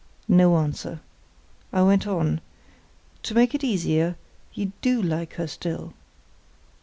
No answer. I went on: "To make it easier, you do like her still."